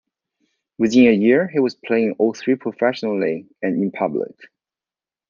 Within a year he was playing all three professionally and in public.